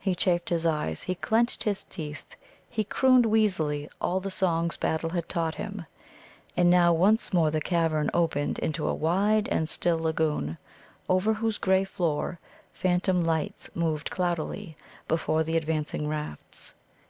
He chafed his eyes, he clenched his teeth, he crooned wheezily all the songs Battle had taught him. And now once more the cavern opened into a wide and still lagoon, over whose grey floor phantom lights moved cloudily before the advancing rafts.